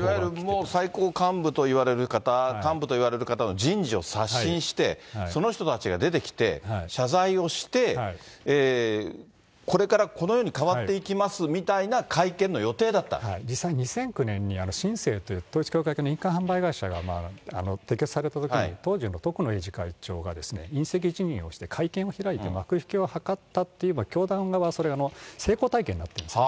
もう最高幹部といわれる方、幹部といわれる方の人事を刷新して、その人たちが出てきて、謝罪をして、これからこのように変わっていきますみたいな会実際に２００９年にしんせいという、統一教会系の販売会社が、摘発されたときに、当時の会長が引責辞任をして会見を開いて、幕引きを図ったっていう教団側、成功体験になっているわけですね。